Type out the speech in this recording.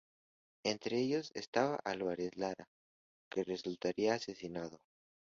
Entre ellos estaba Álvarez Lara, que resultaría asesinado.